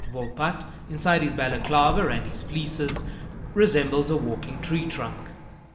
Volpatte, inside his Balaklava and his fleeces, resembles a walking tree trunk.